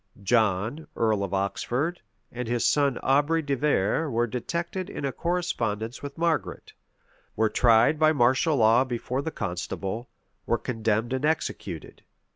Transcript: John, earl of Oxford, and his son Aubrey de Vere were detected in a correspondence with Margaret, were tried by martial law before the constable, were condemned and executed.